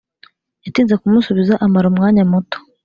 Yatinze kumusubiza amara umwanya muto